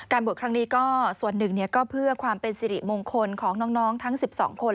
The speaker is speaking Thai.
บวชครั้งนี้ก็ส่วนหนึ่งก็เพื่อความเป็นสิริมงคลของน้องทั้ง๑๒คน